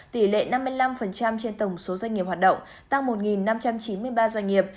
tỷ lệ năm mươi năm trên tổng số doanh nghiệp hoạt động tăng một năm trăm chín mươi ba doanh nghiệp